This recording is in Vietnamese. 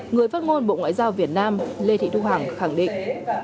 người phát ngôn bộ ngoại giao việt nam lê thị thu hằng khẳng định